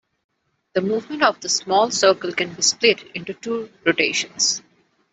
The movement of the small circle can be split into two rotations.